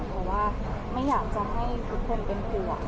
เพราะว่าไม่อยากจะให้ทุกคนเป็นห่วง